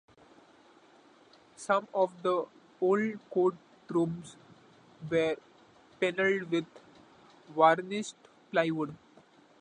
Some of the old court rooms were panelled with varnished plywood.